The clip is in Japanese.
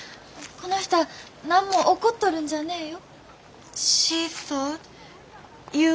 この人はなんも怒っとるんじゃねえよ。